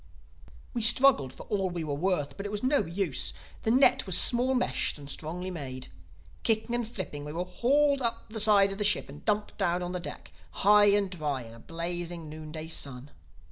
"We struggled for all we were worth; but it was no use. The net was small meshed and strongly made. Kicking and flipping we were hauled up the side of the ship and dumped down on the deck, high and dry in a blazing noon day sun.